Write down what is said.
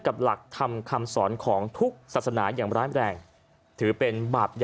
กับหลักธรรมคำสอนของทุกธสนาอย่างร้ายแรงเดี๋ยวเป็นบาป